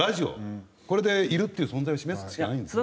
これでいるっていう存在を示すしかないんですよ。